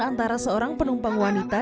antara seorang penumpang wanita